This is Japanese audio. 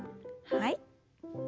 はい。